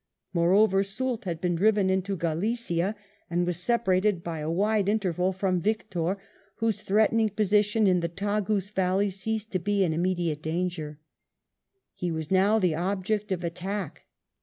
Moreover, Soult had been driven into Galicia, and was separated by a wide interval from VI TURNS ON MARSHAL VICTOR 115 Victor, whose threatening position in the Tagus valley ceased to be an immediate danger. He was now the object of attack.